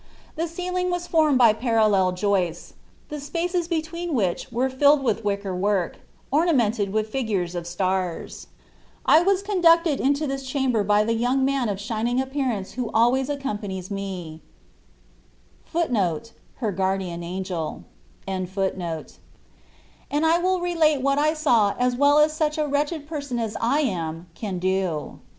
The ceiling was formed by parallel joists, the spaces between which were filled with wicker work, ornamented with figures of stars. 20 zibe 1Rati\nt of I was conducted into this chamber by the young man of shining appearance who always accompanies me,* and I will relate what I saw as well as such a wretched person as I am can do.